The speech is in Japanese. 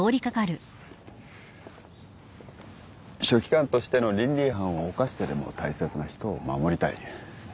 書記官としての倫理違反を犯してでも大切な人を守りたい。